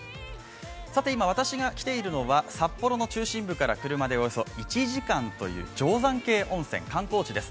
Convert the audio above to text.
さて今、私が来ているのは札幌の中心部から車でおよそ１時間という定山渓温泉、観光地です。